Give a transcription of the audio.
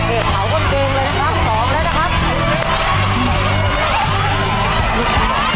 กินกินเลยนะครับสอบเลยนะครับ